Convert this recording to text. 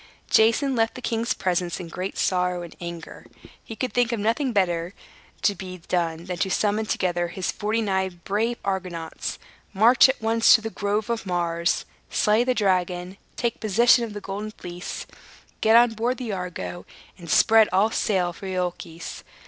Jason left the king's presence in great sorrow and anger. He could think of nothing better to be done than to summon together his forty nine brave Argonauts, march at once to the Grove of Mars, slay the dragon, take possession of the Golden Fleece, get on board the Argo, and spread all sail for Iolchos.